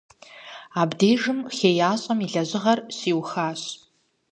Абдежым хеящӀэм и лэжьыгъэр щиухащ.